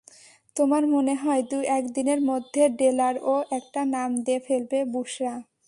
আমার মনে হয়, দু-এক দিনের মধ্যে ডেলারও একটা নাম দিয়ে ফেলবে বুশরা।